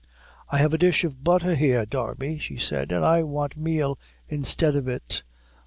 "I have a dish of butther here, Darby," she said, "an' I want meal instead of it."